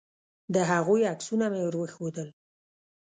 د هغوی عکسونه مې ور وښودل.